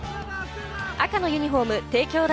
赤のユニホーム帝京大